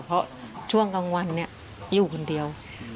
เพราะช่วงกลางวันเนี่ยอยู่คนเดียว